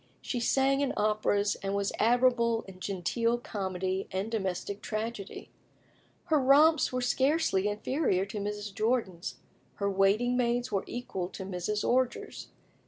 She sang in operas, and was admirable in genteel comedy and domestic tragedy. Her romps were scarcely inferior to Mrs. Jordan's; her waiting maids were equal to Mrs. Orger's.